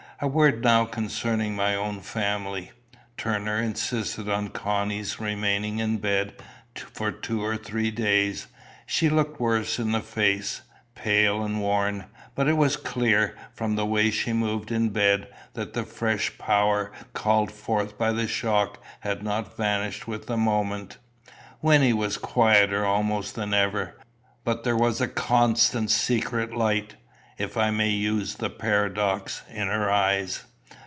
A word now concerning my own family. Turner insisted on Connie's remaining in bed for two or three days. She looked worse in face pale and worn; but it was clear, from the way she moved in bed, that the fresh power called forth by the shock had not vanished with the moment. Wynnie was quieter almost than ever; but there was a constant secret light, if I may use the paradox, in her eyes.